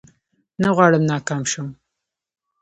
نه غواړم ناکام شم